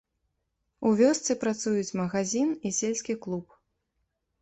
У вёсцы працуюць магазін і сельскі клуб.